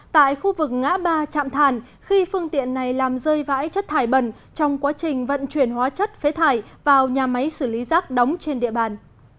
tại khu vực ngã ba trạm thàn khi phương tiện này làm rơi vãi chất thải bẩn trong quá trình vận chuyển hóa chất phế thải vào nhà máy xử lý rác đóng trên địa bàn